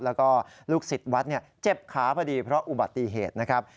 แล้วก็ลูกศิษย์วัดเจ็บขาพอดีเพราะอุบัติเหตุนะครับ